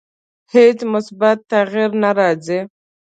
هیڅ مثبت تغییر نه راځي.